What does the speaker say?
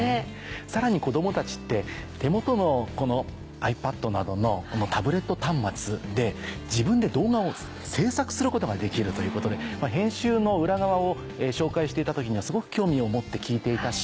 さらに子供たちって手元のｉＰａｄなどのタブレット端末で自分で動画を制作することができるということで編集の裏側を紹介していた時にはすごく興味を持って聞いていたし。